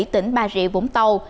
tỉnh ba rịa vũng tàu